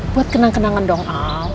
buat kenang kenangan dong al